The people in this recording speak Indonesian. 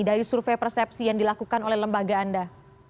dari survei persepsi yang dilakukan oleh lembaga anda